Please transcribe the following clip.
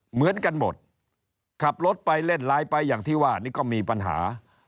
เหมือนกันหมดขับรถไปเล่นไลน์ไปอย่างที่ว่านี่ก็มีปัญหา